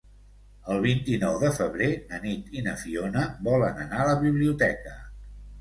El vint-i-nou de febrer na Nit i na Fiona volen anar a la biblioteca.